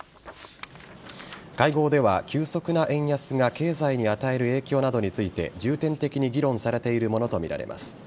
会合では急速な円安が経済に与える影響などについて重点的に議論されているものとみられます。